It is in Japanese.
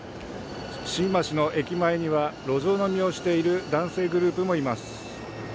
新橋の駅前には路上飲みをしている男性グループもいます。